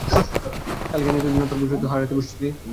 কালকেই না একটুর জন্য তুই তোর পুরুষত্ব হারাতে বসেছিলি?